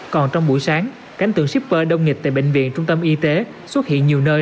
còn trong buổi sáng cánh tượng shipper đông nghịch tại bệnh viện trung tâm y tế xuất hiện nhiều nơi